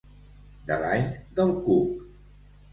De l'any del cuc.